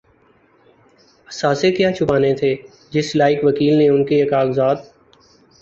اثاثے کیا چھپانے تھے‘ جس لائق وکیل نے ان کے کاغذات